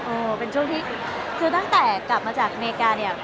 เป็นช่วงที่คือตั้งแต่กลับมาจากอเมริกาเนี่ย